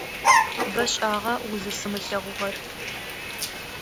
Бэшӏагъэ узысымылъэгъугъэр.